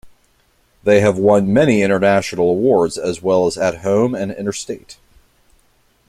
They have won many international awards as well as at home and interstate.